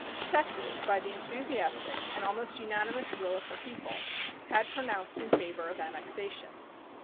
Texas, by the enthusiastic and almost unanimous will of her people, had pronounced in favor of annexation.